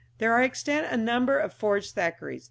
There are extant a number of forged Thackeray's.